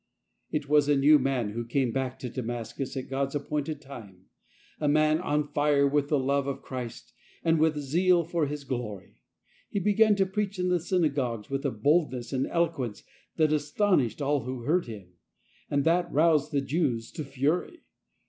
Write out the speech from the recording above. js It was a new man who came back to Damas |i cus at God's appointed time, a man on fire i; with the love of Christ and with zeal for His glory. He began to preach in the synagogues I with a boldness and eloquence that astonished |: aU who heard him, and that roused the Jews |i to fury.